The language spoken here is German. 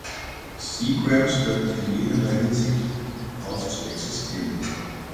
Seagram‘s hörte in jederlei Hinsicht auf zu existieren.